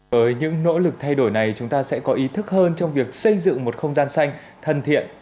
với những nỗ lực thay đổi này chúng ta sẽ có ý thức hơn trong việc xây dựng một không gian xanh thân thiện